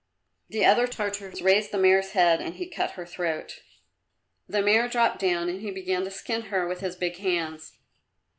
The other Tartars raised the mare's head and he cut her throat. The mare dropped down and he began to skin her with his big hands.